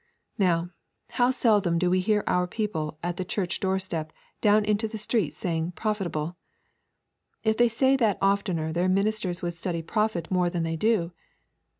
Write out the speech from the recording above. Now, how seldom do we hear our people at the church door step down into the street saying, 'profitable'? If they said that oftener their ministers would study profit more than they do.